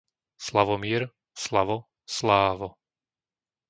Slavomír, Slavo, Slávo